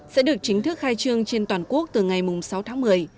sẽ được chính thức khai trương trên toàn quốc từ ngày sáu tháng một mươi